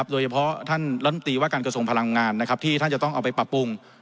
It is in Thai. โดยเฉพาะท่านรัฐมนตรีว่าการกระทรวงพลังงานที่ท่านจะต้องเอาไปปรับปรุง